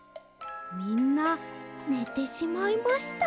みんなねてしまいました。